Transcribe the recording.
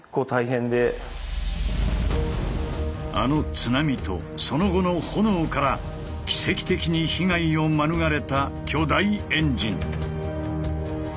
あの津波とその後の炎から奇跡的に被害を免れた巨大エンジン。